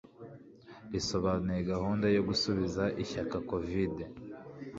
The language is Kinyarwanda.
risobanura gahunda yo gusubiza ishyaka COVID